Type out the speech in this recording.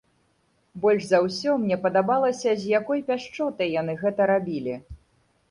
Больш за ўсё мне падабалася, з якой пяшчотай яны гэта рабілі.